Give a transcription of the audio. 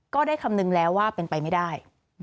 ก็ได้คำนึงแล้วว่าเป็นไปไม่ได้